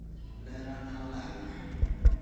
Lerana olalna.